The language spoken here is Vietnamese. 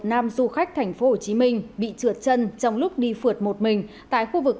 nam du khách thành phố hồ chí minh bị trượt chân trong lúc đi phượt một mình tại khu vực